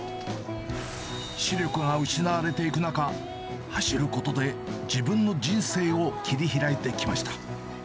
視力が失われていく中、走ることで、自分の人生を切り開いてきま